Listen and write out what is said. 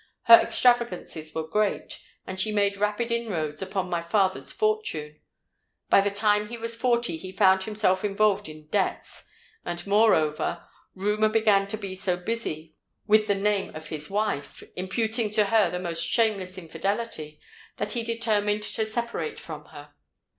Her extravagances were great, and she made rapid inroads upon my father's fortune. By the time he was forty he found himself involved in debts; and moreover, rumour began to be so busy with the name of his wife, imputing to her the most shameless infidelity, that he determined to separate from her.